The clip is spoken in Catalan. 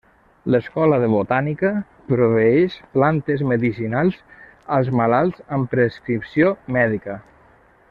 L'escola de botànica proveeix plantes medicinals als malalts amb prescripció mèdica.